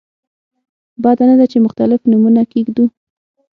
بده نه ده چې مختلف نومونه کېږدو.